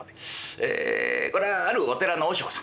えこれはあるお寺の和尚さん。